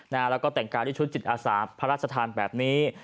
แล้วก็แต่งกายด้วยชุดจิตอาสาพระราชทานแบบนี้